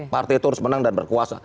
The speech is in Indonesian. partai itu harus menang dan berkuasa